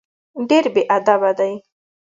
ډېر بېادبه دی.